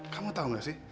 kamu tau gak sih